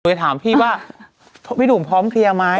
ไปถามพี่ว่าพี่หนุ่มพร้อมเคลียร์ไหม